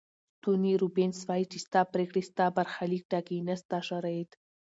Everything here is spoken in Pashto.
توني روبینز وایي چې ستا پریکړې ستا برخلیک ټاکي نه ستا شرایط.